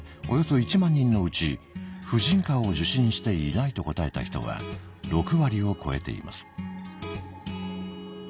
およそ１万人のうち「婦人科を受診していない」と答えた人は６割を超えています。